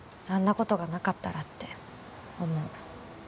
ことがなかったらって思う